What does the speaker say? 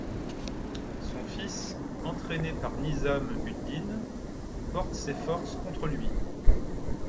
Son fils, entrainé par Nizam-ud-din, porte ses forces contre lui.